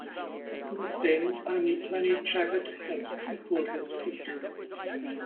Since then, only Tony Trabert has equalled his feat.